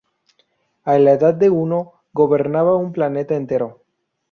A la edad de uno, gobernaba un planeta entero.